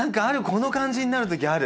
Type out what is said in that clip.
この感じになるときある！